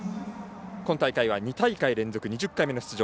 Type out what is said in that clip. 今大会は２大会連続２０回目の出場。